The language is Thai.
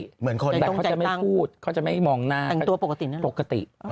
เขาก็จะไม่พูดเขามองหน้าปกติ